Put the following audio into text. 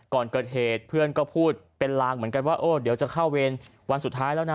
ก่อนเกิดเหตุเพื่อนก็พูดเป็นลางเหมือนกันว่าโอ้เดี๋ยวจะเข้าเวรวันสุดท้ายแล้วนะ